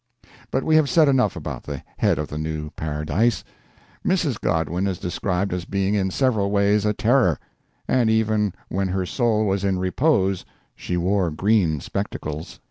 But we have said enough about the head of the new paradise. Mrs. Godwin is described as being in several ways a terror; and even when her soul was in repose she wore green spectacles.